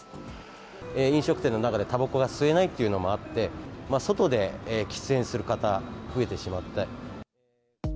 飲食店の中でたばこが吸えないというのもあって、外で喫煙する方、増えてしまって。